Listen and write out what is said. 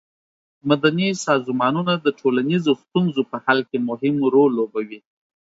مدني سازمانونه د ټولنیزو ستونزو په حل کې مهم رول لوبوي.